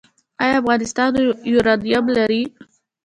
آیا افغانستان یورانیم لري؟